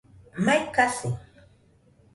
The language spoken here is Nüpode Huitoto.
Mai kasi